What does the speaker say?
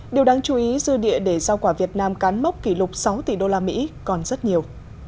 điều đáng chú ý dư địa để rau quả việt nam cán mốc kỷ lục sáu tỷ đô la mỹ còn rất nhiều